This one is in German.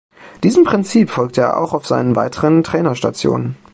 Diesem Prinzip folgte er auch auf seinen weiteren Trainerstationen.